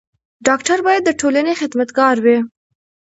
ډاکټر بايد د ټولني خدمت ګار وي.